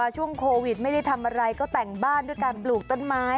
ช่วงโควิดไม่ได้ทำอะไรก็แต่งบ้านด้วยการปลูกต้นไม้